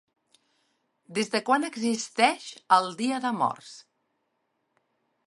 Des de quan existeix el Dia de Morts?